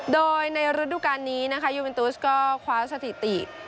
โดยในฤดูการนี้นะคะยูเอ็นตุสก็คว้าสถิติ